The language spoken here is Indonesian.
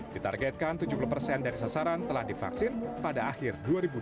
ditargetkan tujuh puluh persen dari sasaran telah divaksin pada akhir dua ribu dua puluh